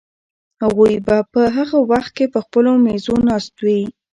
هغوی به په هغه وخت کې په خپلو مېزو ناست وي.